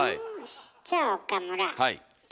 じゃあ岡村。